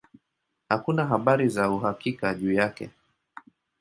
Hakuna habari za uhakika juu yake.